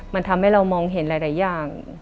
มันทำให้เรามองเห็นหลายอย่าง